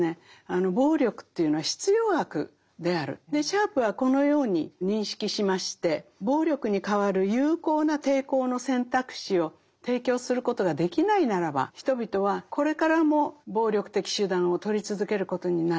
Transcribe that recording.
つまりシャープはこのように認識しまして暴力に代わる有効な抵抗の選択肢を提供することができないならば人々はこれからも暴力的手段をとり続けることになる。